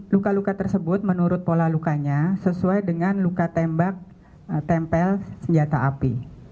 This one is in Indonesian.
luka luka tersebut menurut pola lukanya sesuai dengan luka tembak tempel senjata api